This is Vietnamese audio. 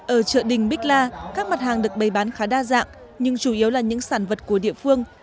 ở chợ đình bích la các mặt hàng được bày bán khá đa dạng nhưng chủ yếu là những sản vật của địa phương